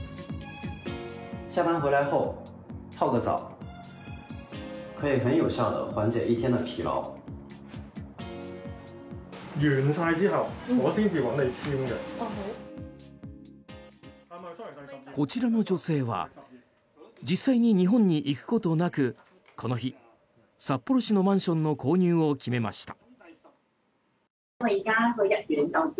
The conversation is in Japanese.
こちらの女性は実際に日本に行くことなくこの日、札幌市のマンションの購入を決めました。